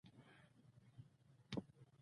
زه شپې اخيستی وم؛ ما فکر کاوو چې سهار دی.